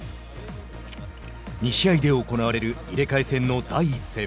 ２試合で行われる入れ替え戦の第１戦。